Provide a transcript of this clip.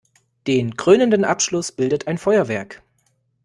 Den krönenden Abschluss bildet ein Feuerwerk.